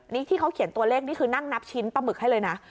นี่ที่เขาเขียนตัวเลขนี่คือนั่งนับชิ้นปลาหมึกให้เลยนะ